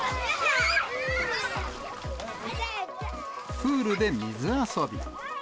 プールで水遊び。